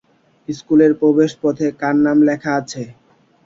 স্কুলের প্রবেশপথে কার নাম লেখা আছে?